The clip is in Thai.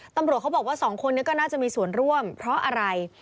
ตำรวจเขาบอกว่าสองคนนี้ก็น่าจะมีส่วนร่วมเพราะอะไร